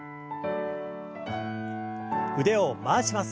腕を回します。